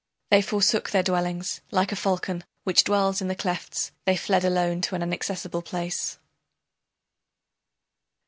They forsook their dwellings; like a falcon Which dwells in the clefts, they fled alone to an inaccessible place.